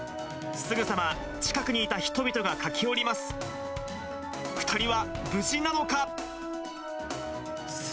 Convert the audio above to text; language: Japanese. すぐさま近くにいた人々が駆け寄ります。